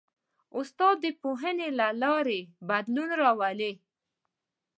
استاد د پوهنې له لارې بدلون راولي.